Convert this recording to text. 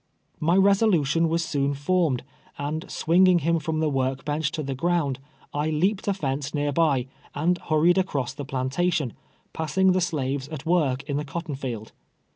My resolution was soon formed, and swinging him from the work bench to the ground, I leaped a fence near by, and hurried across the plantation, passing the slaves at work in the cotton field.